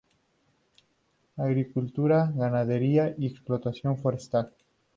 Agricultura, ganadería y explotación forestal.